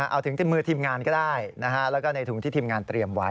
เอาถึงที่มือทีมงานก็ได้แล้วก็ในถุงที่ทีมงานเตรียมไว้